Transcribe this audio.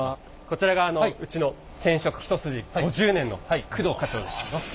こちらがうちの染色一筋５０年の工藤課長です。